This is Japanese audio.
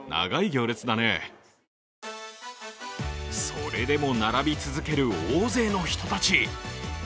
それでも並び続ける大勢の人たち。